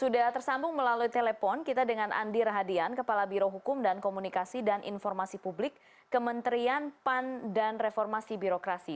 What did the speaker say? sudah tersambung melalui telepon kita dengan andi rahadian kepala birohukum dan komunikasi dan informasi publik kementerian pan dan reformasi birokrasi